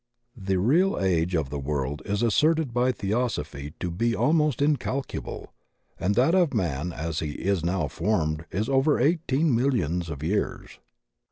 The real age of the world is asserted by Theosophy to be almost incalculable, and that of man as he is now formed is over eighteen millions of years.